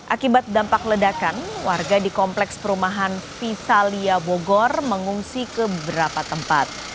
akibat dampak ledakan warga di kompleks perumahan visalia bogor mengungsi ke beberapa tempat